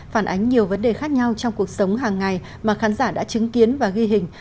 phản ánh nhiều vấn đề khác nhau trong cuộc sống hàng ngày mà khán giả đã chứng kiến và ghi hình